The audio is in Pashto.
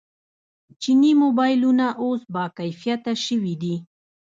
چیني موبایلونه اوس باکیفیته شوي دي.